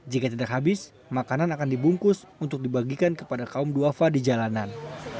jika tidak habis makanan akan dibungkus untuk dibagikan kepada kaum duafa di jalanan